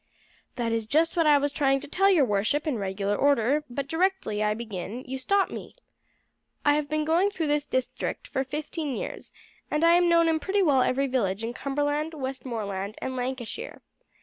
"That is just what I was trying to tell your worship in regular order, but directly I begin you stop me. I have been going through this district for fifteen years, and I am known in pretty well every village in Cumberland, Westmoreland, and Lancashire.